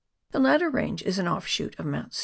The latter range is an offshoot of Mt.